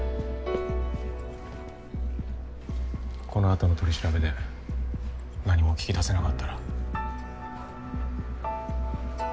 この後の取り調べで何も聞き出せなかったら。